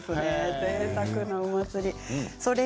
ぜいたくなお祭り。